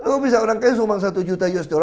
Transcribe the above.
kok bisa orang kaya sumbang satu juta usd